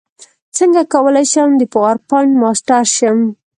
څنګه کولی شم د پاورپاینټ ماسټر شم